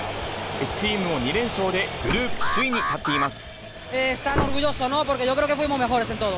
チームも２連勝でグループ首位に立っています。